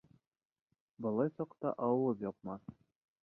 Былай саҡта ауыҙ япмаҫ